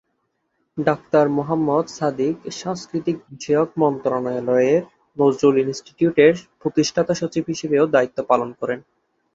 Doctor Mohammad Sadiq সংস্কৃতি বিষয়ক মন্ত্রণালয়ের নজরুল ইন্সটিটিউট-এর প্রতিষ্ঠাতা সচিব হিসেবেও দায়িত্ব পালন করেন।